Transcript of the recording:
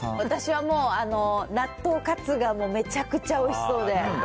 私はもう、納豆カツがもうめちゃくちゃおいしそうで。